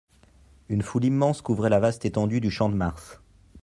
Une foule immense couvrait la vaste étendue du Champ-de-Mars.